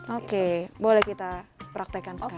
oke boleh kita praktekkan sekarang